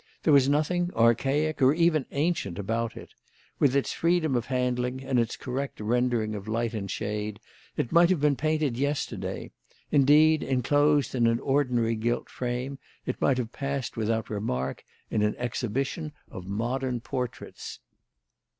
There was nothing archaic or even ancient about it. With its freedom of handling and its correct rendering of light and shade, it might have been painted yesterday; indeed, enclosed in an ordinary gilt frame, it might have passed without remark in an exhibition of modern portraits.